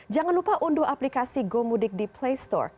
jangan lupa unduh aplikasi gomudik di playstore